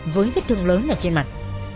với vết thương lớn ở trên mặt